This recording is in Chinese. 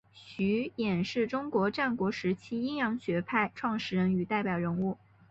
邹衍是中国战国时期阴阳家学派创始者与代表人物。